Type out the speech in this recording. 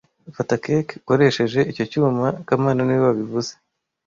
Kata cake ukoresheje icyo cyuma kamana niwe wabivuze